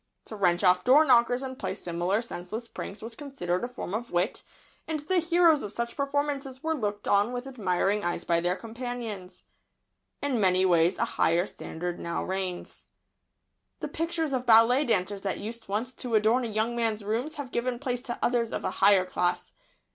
To wrench off door knockers and play similar senseless pranks was considered a form of wit, and the heroes of such performances were looked on with admiring eyes by their companions. In many ways a higher standard now reigns. [Sidenote: A higher moral standard now reigns.] The pictures of ballet dancers that used once to adorn a young man's rooms have given place to others of a higher class.